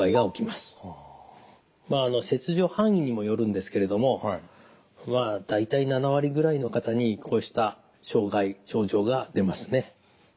まあ切除範囲にもよるんですけれども大体７割ぐらいの方にこうした障害症状が出ますね。